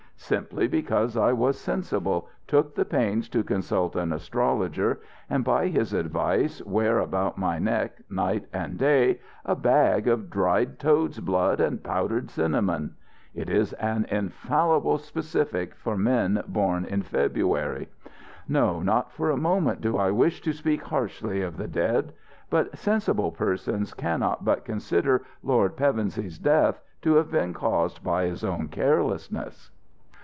Simply because I was sensible, took the pains to consult an astrologer, and by his advice wear about my neck, night and day, a bag of dried toad's blood and powdered cinnamon. It is an infallible specific for men born in February. No, not for a moment do I wish to speak harshly of the dead, but sensible persons cannot but consider Lord Pevensey's death to have been caused by his own carelessness."